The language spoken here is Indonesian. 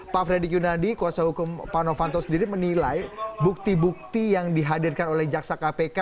pak fredrik yunadi kuasa hukum pak novanto sendiri menilai bukti bukti yang dihadirkan oleh jaksa kpk